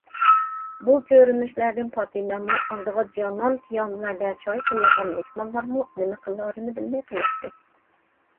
بۇ كۆرۈنۈشلەردىن پاتىمەمۇ، ئالدىغا جانان پىيالىلەردە چاي قۇيۇلغان مېھمانلارمۇ نېمە قىلارىنى بىلمەي قېلىشتى.